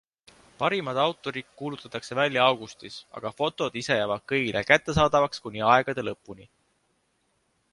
Parimad autorid kuulutatakse välja augustis, aga fotod ise jäävad kõigile kättesaadavaks kuni aegade lõpuni.